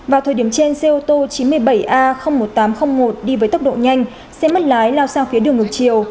vào thời điểm trên xe ô tô chín mươi bảy a một nghìn tám trăm linh một đi với tốc độ nhanh xe mất lái lao sang phía đường ngược chiều